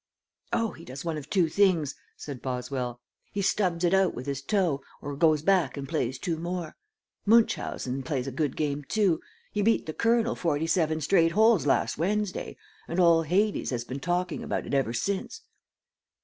"Oh, he does one of two things," said Boswell. "He stubs it out with his toe, or goes back and plays two more. Munchausen plays a good game too. He beat the colonel forty seven straight holes last Wednesday, and all Hades has been talking about it ever since."